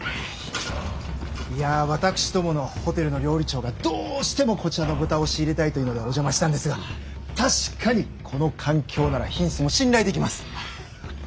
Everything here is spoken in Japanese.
いや私どものホテルの料理長がどうしてもこちらの豚を仕入れたいというのでお邪魔したんですが確かにこの環境なら品質も信頼できます。